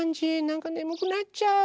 なんかねむくなっちゃう。